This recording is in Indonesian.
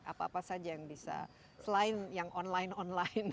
apa apa saja yang bisa selain yang online online